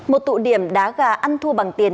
một tụ điểm đá gà ăn thu bằng tiền